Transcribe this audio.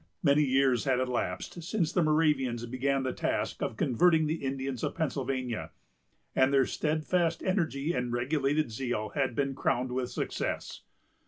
Many years had elapsed since the Moravians began the task of converting the Indians of Pennsylvania, and their steadfast energy and regulated zeal had been crowned with success.